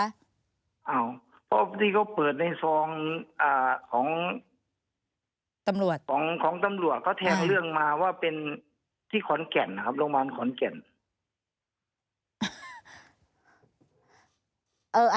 อ้าวพอที่เขาเปิดในซองของตำรวจก็แทงเรื่องมาว่าเป็นที่โรงพยาบาลขอนแก่นนะครับ